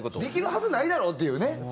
できるはずないだろうっていうね。